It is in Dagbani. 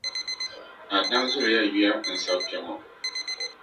Adam zuliya yuya n-sab’ kpe ŋɔ.